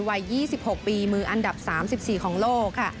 วัย๒๖ปีมืออันดับ๓๔ของโลกค่ะ